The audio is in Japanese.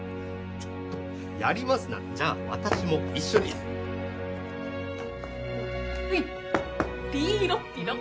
ちょっとやりますなじゃあ私も一緒にはいっピーロピロ！